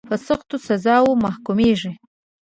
په سختو سزاوو محکومیږي.